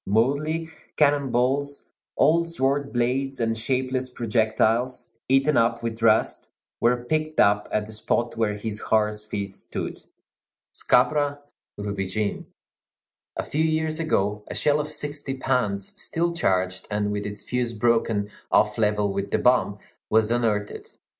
Mouldy cannon balls, old sword blades, and shapeless projectiles, eaten up with rust, were picked up at the spot where his horse's feet stood. Scabra rubigine. A few years ago, a shell of sixty pounds, still charged, and with its fuse broken off level with the bomb, was unearthed.